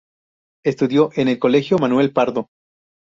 Estudió en el Colegio Manuel Pardo.